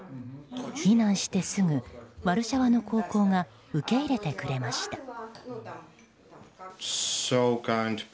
避難してすぐワルシャワの高校が受け入れてくれました。